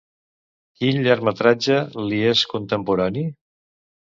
Quin llargmetratge li és contemporani?